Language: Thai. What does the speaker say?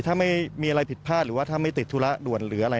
ถ้าไม่มีอะไรผิดพลาดหรือว่าถ้าไม่ติดธุระด่วนหรืออะไร